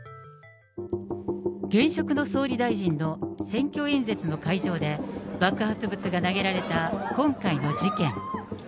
現職の総理大臣の選挙演説の会場で、爆発物が投げられた今回の事件。